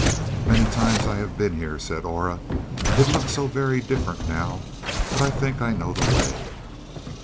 "Many times I have been here," said Aura. "It looks so very different now, but I think I know the way."